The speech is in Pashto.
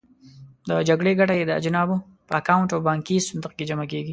د جګړې ګټه یې د اجانبو په اکاونټ او بانکي صندوق کې جمع کېږي.